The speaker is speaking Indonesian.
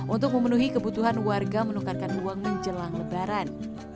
untuk memenuhi kebutuhan warga menukarkan uang menjelang lebaran